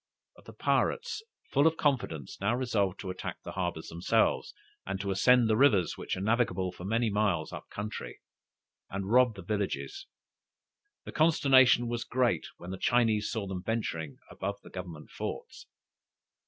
But the pirates, full of confidence, now resolved to attack the harbors themselves, and to ascend the rivers, which are navigable for many miles up the country, and rob the villages. The consternation was great when the Chinese saw them venturing above the government forts.